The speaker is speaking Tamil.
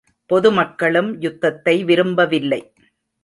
பொது மக்களும் யுத்தத்தை விரும்பவில்லை.